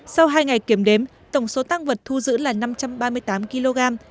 sau hai ngày kiểm đếm tổng số tăng vật thu giữ là năm trăm ba mươi tám kg